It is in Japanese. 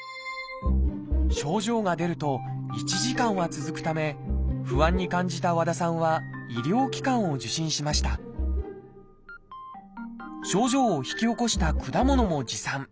症状が出ると１時間は続くため不安に感じた和田さんは医療機関を受診しました症状を引き起こした果物も持参。